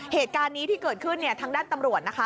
เหตุการณ์นี้ที่เกิดขึ้นเนี่ยทางด้านตำรวจนะคะ